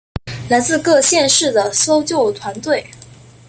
来自各县市的搜救团队